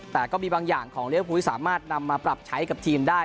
แต่ก็มีบางอย่างของเรียภูสามารถนำมาปรับใช้กับทีมได้